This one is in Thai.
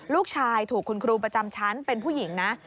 ลูกชายถูกคุณครูประจำชั้นเป็นผู้หญิงนะ